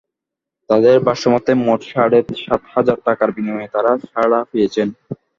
তাঁদের ভাষ্যমতে, মোট সাড়ে সাত হাজার টাকার বিনিময়ে তাঁরা ছাড়া পেয়েছেন।